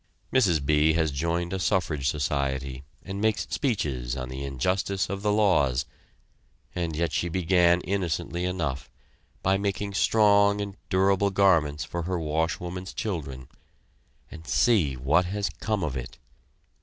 Mrs. B. has joined a suffrage society and makes speeches on the injustice of the laws; and yet she began innocently enough, by making strong and durable garments for her washwoman's children and see what has come of it!